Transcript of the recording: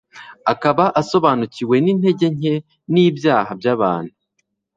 akaba asobanukiwe n’intege nke n’ibyaha by’abantu;